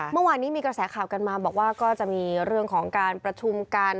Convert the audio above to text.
เมื่อวานนี้มีกระแสข่าวกันมาบอกว่าก็จะมีเรื่องของการประชุมกัน